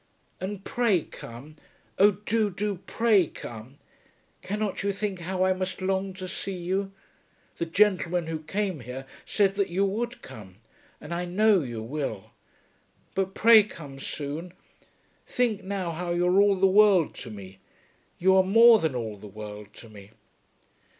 And pray come. Oh do, do, pray come! Cannot you think how I must long to see you! The gentleman who came here said that you would come, and I know you will. But pray come soon. Think, now, how you are all the world to me. You are more than all the world to me.